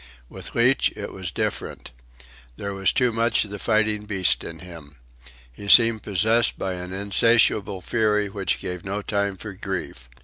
With Leach it was different. There was too much of the fighting beast in him. He seemed possessed by an insatiable fury which gave no time for grief.